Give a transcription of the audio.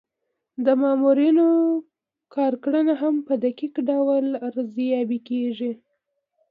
د مامورینو کارکړنه هم په دقیق ډول ارزیابي کیږي.